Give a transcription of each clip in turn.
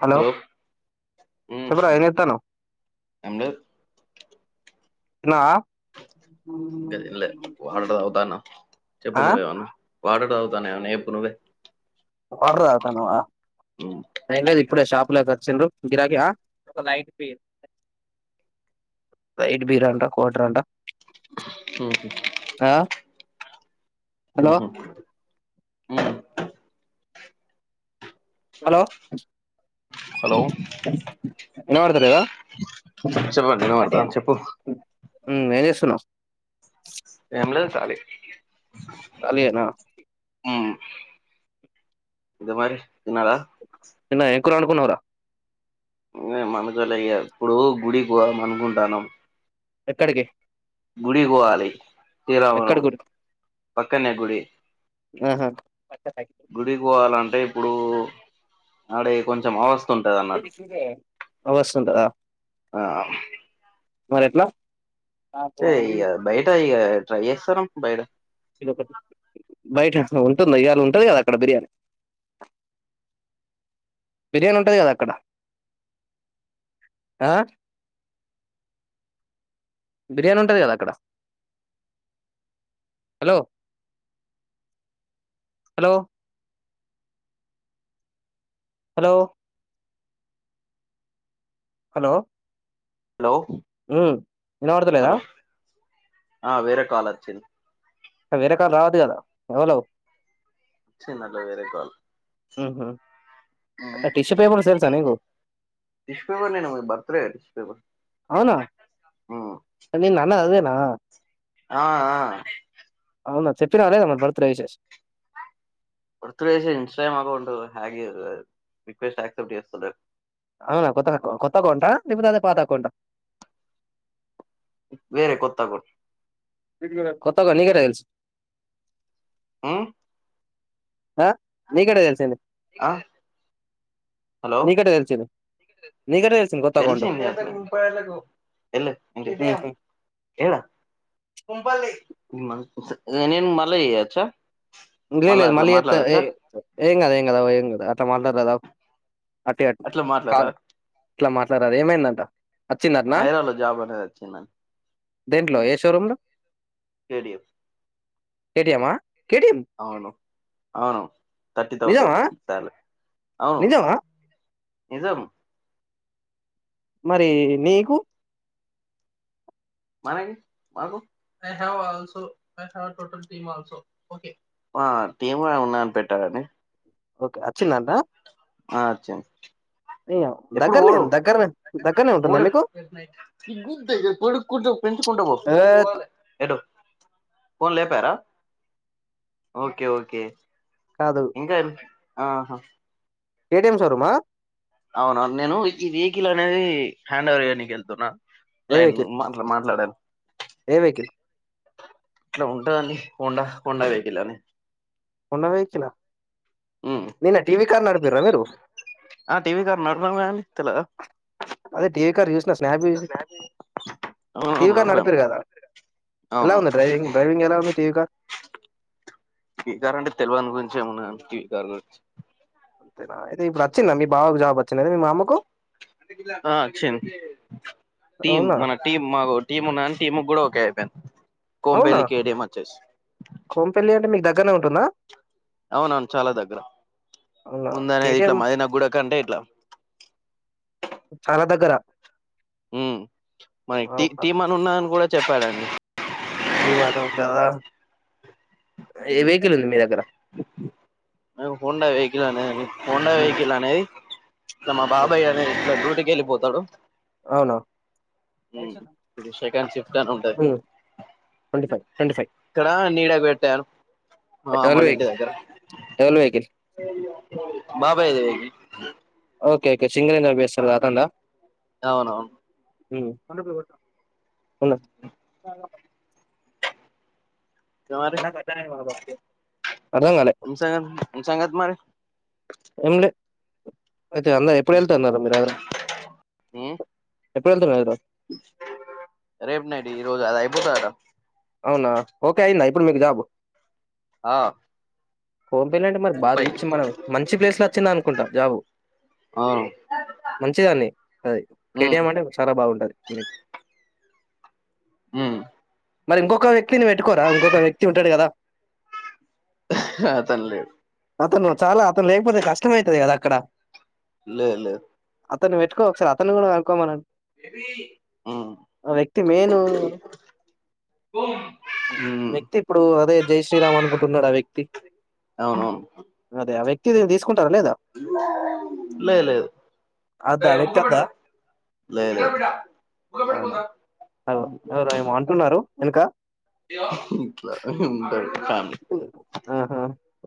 Hello ఉమ్ చెప్పరా ఏం చేత్తానావ్ ఏం లేదు తిన్నావా ఇంకా తినలే వాటర్ తాగుతాన్నా ఆ చెప్పు నువ్వేమన్నా వాటర్ తాగుతాన్నా ఏమన్నా చెప్పు నువ్వే వాటర్ తాగుతాన్నావా ఉమ్ ఏం లేది ఇప్పుడే షాపు లోకి వచ్చిండ్రు గిరాకి ఆ లైట్ బీర్ అంట కోటర్ అంట ఊహూ ఆ హలో ఊహు హలో హలో వినబడత లేదా చెప్పండి వినబడతాంది చెప్పు ఉమ్ ఏం చేస్తున్నావు ఎం లేదు ఖాలీ ఖాళీయేనా ఇగ మరి తిన్నారా నిన్న ఏం కూర వండుకున్నావారా [unintelligible] ఇప్పుడు గుడి పోదాం అనుకుంటాన్నము ఎక్కడికి గుడికి పోవాలి శ్రీరామనం ఎక్కడి గుడి పక్కన్నే గుడి ఆహా గుడికి పోవాలంటే ఇప్పుడు ఆడే కొంచెం అవస్ ఆ వస్తుంటదా ఆ మ్ మరెట్లా ఏ ఇగ బయట ఇగ ట్రై చేస్తున్నం బయట ఇగ [inaudible] బయట ఉంటుంది ఇయ్యాళ ఉంటది కదా అక్కడ బిర్యానీ బిర్యానీ ఉంటది కదా అక్కడ ఆ బిర్యానీ ఉంటది కదా అక్కడ hello hello hello hello hello hello వినపడత లేదా హలో ఆ వేరే కాల్ వచ్చింది వేరే కాల్ రావద్దు కదా ఎవలు వచ్చిందండి వేరే కాల్ ఉహు టిష్యూ పేపర్స్ తెలుసా నీకు టిష్యూ పేపర్ బర్త్ డే అవునా నేను అన్నది అదేనా ఆ ఆ అవునా చెప్పినారా మల బర్తడే విషెస్ బర్త్డే చేసి Instagram account hack request accept చేస్తలేదు అవునా కొత్త కొత్త అకౌంట లేకపోతే అదే పాత అకౌంటా వేరే కొత్త అకౌంట్ కొత్త అకౌంట్ నీకు ఎట్లా తెలుసు ఉ ఆ నీకెట్ల తెలిసింది నీకెట్ట తెలిసింది నీకెట్ట తెలిసింది కొత్త అకౌంట్ తెలిసి ఎ ఉహు నేనేం మల్లా చేయెచ్చా లేదు లేదు లే ఇ లే మళ్ళీ చేస్తా అట్లా మాట్లాడరాదు [unintelligible] అ అట్లా కా మాట్లాడరా ఇట్లా మాట్లాడాల ఏమైందంట వచ్చిందటనా హైదరాబాద్ లో జాబ్ అనేది వచ్చింది అండి దేంట్లో ఏ షోరూమ్ లో కేెడిఎఫ్ కేటిఎమ్ మ కేటిఎం అవును అవును థర్టీ నిజమా తౌసండ్ సాలరీ నిజమా నిజం మరి నీకు ఆ టీమ్ ఉన్నానని పెట్టాలని ఓకే అచ్చిందంట ఆ వచ్చింది ఎప్పుడు దగ్గరనే పోడు దగ్గరనే దగ్గరనే ఉంటుందా పోడు మీకు పెంచుకుంటా పో ఏ, పోవాలి ఎటు పోనీ లేపారా ఓకే ఓకే కాదు ఇంకేమి ఆహా కేటిఎం షోరూమ అవునా నేను ఈ వెహికల్ అనేది హ్యాండ్ ఓవర్ చేయనికి వెళ్తున్నా ఏ లైన్లో వెహికల్ మాట్ మాట్లాడను ఏ వేకిల్ ఇట్లా ఉంటుందండి హోండ హోండా వెహకిల్ అని హోండా వెహికల్ లా ఉమ్. నిన్న టివి కానడు పిరమిరు ఆ టీవీ కారు నడిపాము కానీ తెలద అదే టీవీ కార్ చూసిన స్నాప్ చూసి అవును టీవీ అవును కార్ నడిపాము నడిపిరు కదా ఎలా అవును ఉంది డ్రైవింగ్ డ్రైవింగ్ ఎలా ఉంది టీవీ కార్ గారేంటి తెలివాని గురించి ఏమున్నదండి టీవీ కార్ గురించి అంతేనా అయితే ఇప్పుడు వచ్చిందా మీ బావకు జాబ్ వచ్చింది అదే మా అమ్మకు ఆ అక్షన్ టీమ్ అవునా మన టీమ్ మాకు టీమ్ ఉన్నాని టీమ్ కూడా ఓకే పెన్ అవునా కోంబేలికి ఏడి మచ్చేస్ గానే ఉంటున్న అవునవును చాలా దగ్గర అవునా ముంద అనేది కేటీఎం ఇట్లా మది నా గుడ కంటే ఇట్లా చాలా దగ్గరా ఉ మరి టి టీమాని ఉన్నాను కూడా చెప్పాలండి తీమానంటదా ఏ వెహికల్ ఉంది మీ దగ్గర అ హోండా వెహికల్ అనే అన్ని హోండ ఉమ్, వెహికల్ అనేది ఇగ మా బాబాయ్ అనేది ఇ బ్యూటి ఏలిపోతాడు అవునా ఇప్పుడు సెకండ్ షిఫ్ట్ అని ఉంటది ట్వంటీ ఫైవ్ ట్వంటీ ఫై ఇక్కడ నీడకు పెట్టాను మా డవల్ వెహికల్ డవల్ వెహికల్ బాబాయ్ ఇది ఓకే ఓకే సింగర వేస్తారు కాకుండా అవునవును ఉన్నది ఇంకా మరి అన్నట్ట అర్థం కాలే ఏం సంగతి ఏం సంగతి మరి ఏం లే అయితే అంద ఎప్పుడు వెళ్తున్నారు మీరు హైద్ర ఏ హైదరాబాద్ రేపు నైట్ ఈరోజు అది అయిపో బుధవారం అవునా ఓకే అయ్యిందా ఇప్పుడు మీకు జాబు ఆ కోంపల్లి అంటే మరి బా ముప్పై మంచి మనం మంచి ప్లేస్ లో వచ్చింద అనుకుంటా జాబు అవును మంచిదాన్ని అది ఉమ్ కేటీఎం అంటే చాలా బాగుంటంది లే ఉ మరి ఇంకొక వ్యక్తిని పెట్టుకోరా ఇంకొక వ్యక్తి ఉంటాడు కదా అతను లేడు అతను చాలా అతను లేకపోతే కష్టమ అవుతుది కదా అక్కడ లే లేదు అతను పెట్టుకో ఒకసారి అతను కూడా కనుక్కోమనండి ఉమ్ ఆ వ్యక్తి మెయిన్ ఉమ్ వ్యక్తి ఇప్పుడు అదే జై. శ్రీరామ్ అనుకుంటున్నాడు ఆ వ్యక్ అవునువును ఆ వ్యక్తి ది తీసుకుంటారా లేదా? లే లేదు అద్దా ఆ వ్యక్తి అద్దా? లే లేదు అవునా ఇంక ఇట్లా ఉంటాయి ఉ ఆహా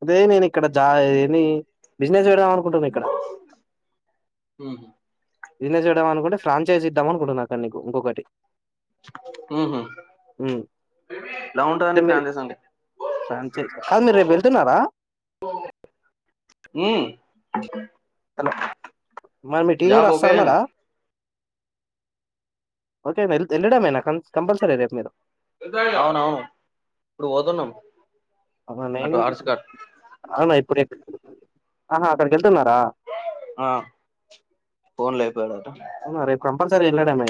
అదే నేను ఇక్కడ జా ఏ బిజినెస్యడ టున్నాం ఇక్కడ బిినెస్ చేయడం అనుకుంటే ఫ్రాంచైజ ఇద్దాం అనుకుంటన్నా అక్కడ నీకు ఇంకోటి ఊహు హ్మ్. ఇలానే ఉంటాయి ఫ్యామిలీస్ ఎలా ఉంటందండి ఫ్యాన్ చేేశాంటే శంత కాదు మీరు రేపు వెళ్తున్నారా ఉమ్ హలో మరి మీ టీం కూడా జాబ్ వస్తా ఓకే అండి అన్నారా ఓకే నా ఎల్లడం ఎళ్లిడమేనా అవునవును ఇప్పుడు పోతున్నాం ఆహా న అటు ఆర్స్ కట్ అనా ఇప్పుడు ఆహా అక్కక ఆ ఫోన్ లేైపోయాడట అవునా రేపు కంపల్సరీ వెళ్ళడేమ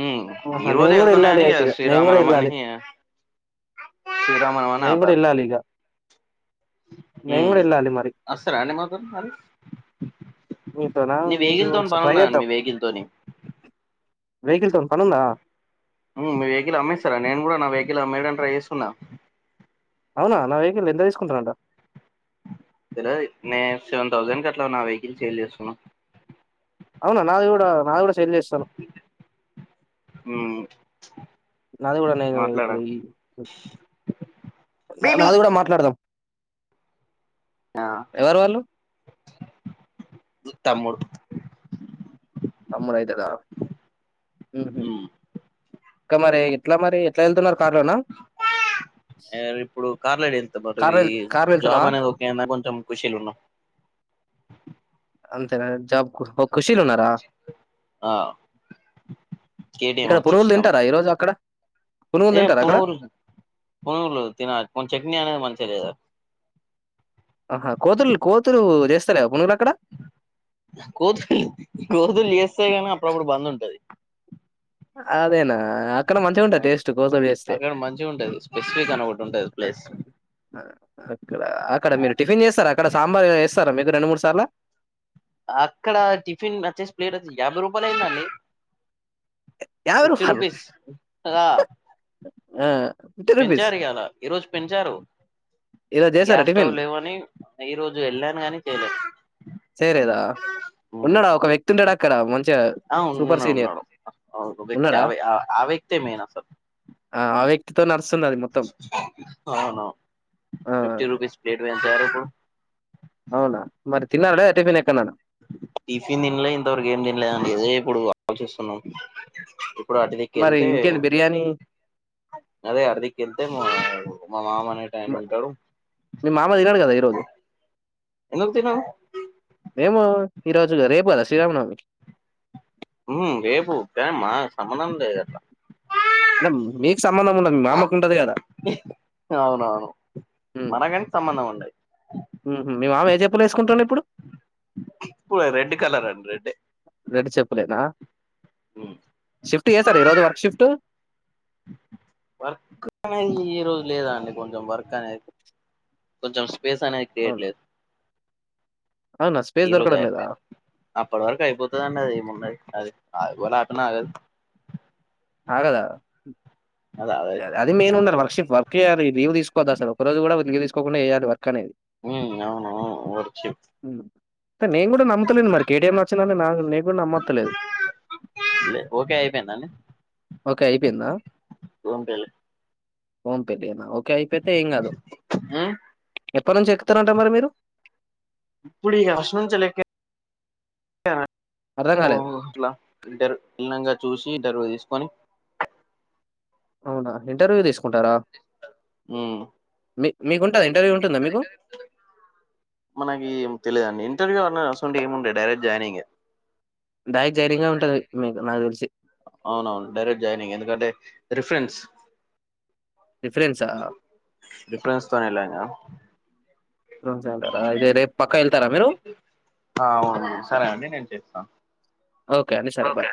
ఉ ఈ రోజే వెళ్తున్నాయని అయితే ఇగ నేను శ్రీరామ కూడా నవమి అని వెళ్ళాలి శ్రీరామనవమి అని నేను కూడా ఆపారు వెళ్ళాలి ఇగ మ్ నేను కూడా వెళ్ళాలి మరి [unintelligible] తోని మీతోనా మీరు ఒకసారి వెహికల్తో ఏమన్నా పనుందా ఇలా మేడం ట్రైవేసున్నా అవునా నా వెహికల్ ఎంత తీసుకుంటారంటా స నేను సెవెన్ థౌసండ్ అట్లా నా వెహికల్ సెల్ చేసుకున్న అవునా నాది కూడా నా ల్ చేస్తాను మ్మ్ నాది కూడా నేను ఇప్పుడు మాట్లాడాను ఈ బేబీ నాది కూడా మాట్లాడదాం ఆ ఎవరు వాళ్ళు తమ్ముడు తమ్ముడైతడ మ్మ్ ఇంకా మరి ఎట్ల మరి ఎట్లా ఎల్ ఇప్పుడు కార్లోనే వెళ్తం కార్ మనదీ లో కార్ లో జాబ్ వెళ్తున్నావా అనేది ఒకే అన్న కొంచెం ఖుషీలున్నం. అంతేనా జాబ్కు ఖుషీలున్నరా ఆ కేటీఎం ఇక్కడ వచ్చేసి పునుగులు కంపెనీ తింటారా ఈరోజు అక్కడ పునుగులు ఏ తింటారా అక్కడ పునుగుల్ పునుగులు తిన కొ చట్నీ అనేది మంచిగా లేదు ఆహా కోతుల్ కోతులు చేస్తాలేరా పునుగులట్ కోతులు కోతులు చేస్తయి కని అప్పుడప్పుడు బంద్ ఉంటది అదేనా ఆ అక్కడ మంచిగా టేస్ట్ కోసలు చేస్తే అక్కడ మంచిగా ఉంటది స్పెసిఫిక్ అని ఒకటి ఉంటది ప్లేస్ అక్కడ అక్కడ మీరు టిఫిన్ చేస్తారు అక్కడ సాంబార్ స్తరా మీరు రెండు మూడు సార్ల అక్కడ టిఫిన్ వచ్చేసి ప్లేట్ వచ్చి యాభై రూపాయల్ అయిందండి యాభై ఫిఫ్టీ రూపాయలు రూపీస్ ఆ ఆ, ఫిఫ్టీ రూపీస్ పెంచారు ఇయాల ఈ రోజు పెంచారు. ఈరోజు చేశారా గ్యాస్ టిఫిన్ స్టవ్ లేవని ఈరోజు వెళ్ళాను గాని తేలే చెలేదా ఉన్నడా ఒక వ్యక్ అడక్కడ ఆ ఉన్నాడు ఉన్నాడు ఆ ఒక వ్యక్తి ఉన్నాడా ఆ వ్యక్తే మెయిన్ అసలు [unintelligible] మొత్తం అవును ఆ, ఫిఫ్టీ రూపీస్ ప్లేట్ పెంచారు అ అవునా మరి తిన్నారా లేదా టిఫిన్ ఎక్కన్నన్నా టిఫిన్ తిన్లే ఇంతవరకు ఏం తిన్లేదండి అదే ఇప్పుడు ఆలోచిస్తున్నాం ఇప్పుడు అటదిక్ మరి ఎళ్తే ఇంకేంటి బిర్యానీ అదే అటదిక్ ఎళ్తే మా మా మామ అనే టాయన మ- ఉంటడు ఏమో ఈ రోజు గా రేపు గద శ్రీరామనవమి మ్ రేపు ప్రేమా సంబంధం లేదు గదా అంటే మీక్ సంబంధం ఉండది. మీ మామకు ఉంటది కదా అవునవును మనకంటే సంబంధం ఉండది మీ మామ ఏ చెప్పులు ఏసుకుంటాండు ఇప్పుడు ఇప్పుడు రెడ్ కలర్ అండి రెడ్డే రెడ్ చెప్పులేనా మ్ షిఫ్ట్ చేస్తారా ఈ రోజు వర్క్ షిఫ్ట్ వర్క్ అనేది ఈ రోజు లేద్ అండి కొంచెం వర్క్ అనేది కొంచెం [unintelligible] అవును తియట్లేదు అవునా స్పేస్ ఈ దొరకడం రోజే. లేదా? అప్పటి వరకు అయిపోతదన్నదీ ఏమున్నదీ. అది ఆ ఎవల్ ఆపినా ఆగదు. ఆగదా అది ఆగదు అది మెయిన్ ఉన్నరు వర్క్షిప్ వర్క్ చేయాలి లీవ్ తీసుకోవద్దు అసలు. ఒక్క రోజు కూడా లీవ్ తీస్ తీసుకోకుండా చేయాలి వర్క్. అనేది. ఊ అవునువును వర్క్షిప్ త నేను కూడా నమ్మతలేను మరి. కేటీఎంమచ్చిందంటే నా నేన్ కూడా నమ్మొత్త లేదు. ఓకే అయిపోయిందా అండి ఓకే అయిపోయిందా. ఫోన్ పే లే ఫోన్ పే లేనా ఓక్ కైపోతే ఏంగాదు. ఉమ్ ఎప్పట్ నుంచి ఎక్కుతరంట మరి మీరు. ఇప్పుడిగా ఫస్టునుంచెల్ ఎక్కే అ అర్థం గాలేదు. ఓహ్ అట్ల ఇంటర్ [inaudible] నంగా చూసి ఇంటర్వ్యూ తీస్ పనీ అవునా ఇంటర్వ్యూ తీస్ కొంటాడా మీ మీకుం మనకేం తెలీదండి. ఇంటర్వ్యూ అన్న అసొంటియి ఏం ఉండయి డైరక్ట్ జాయినింగే. డైక్ అవునవును డైరెక్ట్ జాయినింగ్. ఎందుకంటే రిఫరెన్స్ రిఫరెన్సా? రిఫరెన్స్ తోనే అల్లోయింగా. [unintelligible] ఇదే రేప్ పక్కా ఎళ్తారా మీరు. ఆ అవును సరే అండి నేను చేస్తాను ఓకే అండి సరే బాయ్.